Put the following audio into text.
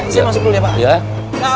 saya masuk dulu ya pak